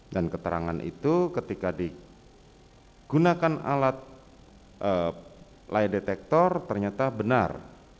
dan keterangan itu ketika digunakan alat lie detector ternyata benar